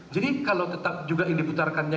jadi kalau tetap juga yang diputarkannya